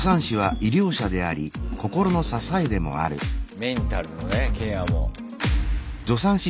メンタルのねケアも。